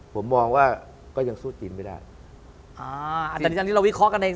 ผมมองว่าก็ยังสู้จีนไม่ได้